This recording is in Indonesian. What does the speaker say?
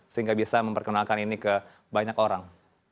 sehingga bisa memperkenalkan ini ke banyak orang